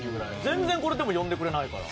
全然これ呼んでくれないから。